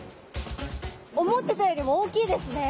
思ってたよりも大きいですね。